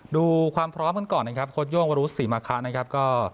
ดูความพร้อมกันก่อนนะครับโค้ดโย่งวรุษศรีมาคะนะครับก็